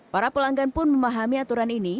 para pelanggan pun memahami aturan ini